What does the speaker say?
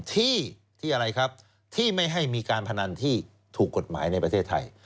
ที่ที่อะไรครับที่ไม่ให้มีการพนันที่ถูกกฎหมายในประเทศไทย